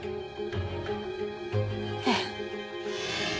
ええ。